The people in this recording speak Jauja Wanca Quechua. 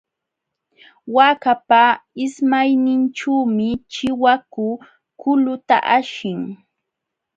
Waakapa ismayninćhuumi chiwaku kuluta ashin.